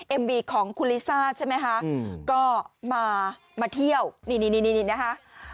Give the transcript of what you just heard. เอ็มวีของคุณลิซ่าใช่ไหมคะก็มาเที่ยวนี่นะคะ